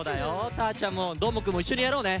たーちゃんもどーもくんもいっしょにやろうね。